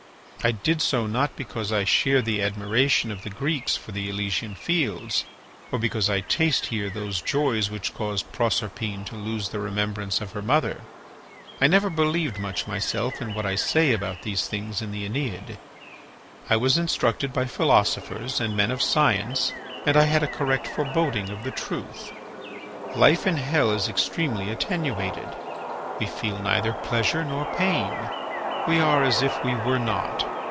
I did so not because I share the admiration of the Greeks for the Elysian fields, or because I taste here those joys which caused Proserpine to lose the remembrance of her mother. I never believed much myself in what I say about these things in the 'Æneid.' I was instructed by philosophers and men of science and I had a correct foreboding of the truth. Life in hell is extremely attenuated; we feel neither pleasure nor pain; we are as if we were not.